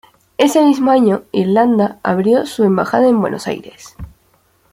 Ese mismo año, Irlanda abrió su embajada en Buenos Aires.